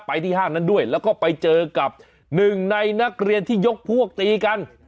ที่ห้างนั้นด้วยแล้วก็ไปเจอกับหนึ่งในนักเรียนที่ยกพวกตีกัน